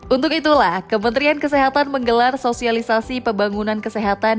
untuk itulah kementerian kesehatan menggelar sosialisasi pembangunan kesehatan